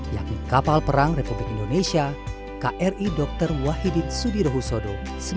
yaitu kapal perang republik indonesia kri dr wahidin sudirohusodo sembilan ratus sembilan puluh satu